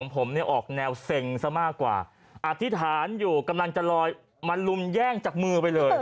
ผมเนี่ยออกแนวเซ็งซะมากกว่าอธิษฐานอยู่กำลังจะลอยมาลุมแย่งจากมือไปเลย